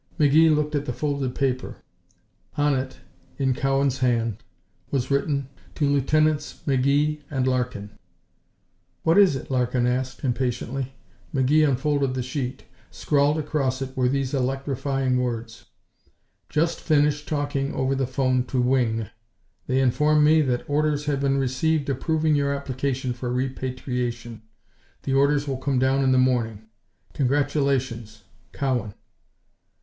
McGee looked at the folded paper. On it, in Cowan's hand, was written; To Lieutenants McGee and Larkin. "What is it?" Larkin asked, impatiently. McGee unfolded the sheet. Scrawled across it were these electrifying words: "Just finished talking over the phone to Wing. They inform me that orders have been received approving your application for repatriation. The order will come down in the morning. Congratulations. Cowan."